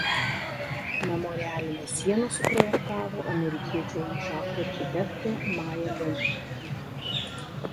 Memorialinę sieną suprojektavo amerikiečių landšafto architektė Maja Lin.